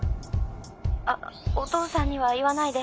☎あっお父さんには言わないで。